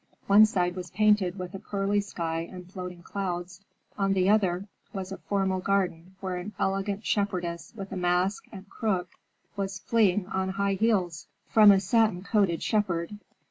One side was painted with a pearly sky and floating clouds. On the other was a formal garden where an elegant shepherdess with a mask and crook was fleeing on high heels from a satin coated shepherd.